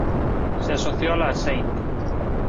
Se asoció a la St.